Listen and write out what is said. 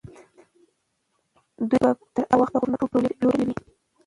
دوی به تر هغه وخته غرونه ټول پلورلي وي.